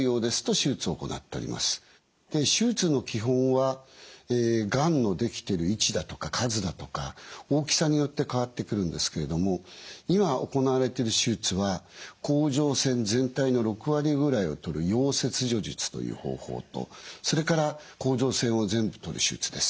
手術の基本はがんのできてる位置だとか数だとか大きさによって変わってくるんですけれども今行われている手術は甲状腺全体の６割ぐらいを取る葉切除術という方法とそれから甲状腺を全部取る手術です。